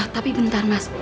tapi bentar mas